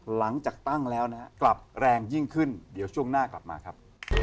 หลังจากตั้งแล้วนะครับกลับแรงยิ่งขึ้นเดี๋ยวช่วงหน้ากลับมาครับ